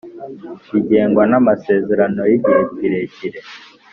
bigengwa namasezerano yigihe kirekire